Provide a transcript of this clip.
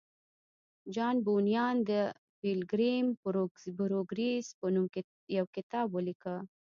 جان بونیان د پیلګریم پروګریس په نوم یو کتاب ولیکه